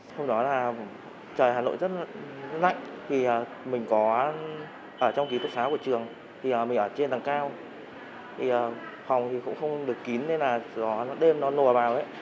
hôm đó trời hà nội rất là lạnh mình có ở trong ký tốt sáu của trường mình ở trên tầng cao phòng cũng không được kín nên là gió đêm nó nổ vào